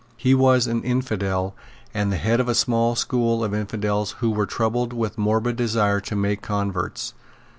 He was an infidel, and the head of a small school of infidels who were troubled with a morbid desire to make converts.